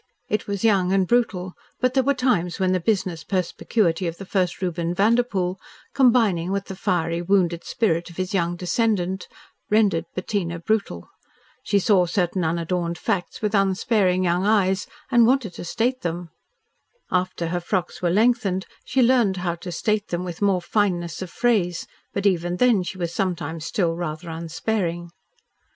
It was young and brutal, but there were times when the business perspicuity of the first Reuben Vanderpoel, combining with the fiery, wounded spirit of his young descendant, rendered Bettina brutal. She saw certain unadorned facts with unsparing young eyes and wanted to state them. After her frocks were lengthened, she learned how to state them with more fineness of phrase, but even then she was sometimes still rather unsparing.